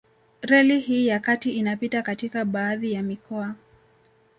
Reli hii ya kati inapita katika baadhi ya mikoa